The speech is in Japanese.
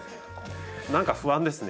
何か不安ですね。